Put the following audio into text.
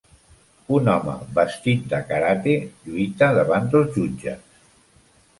Un home vestit de karate lluita davant dos jutges.